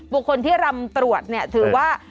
บุคคลที่รำตรวจเนี่ยถือว่า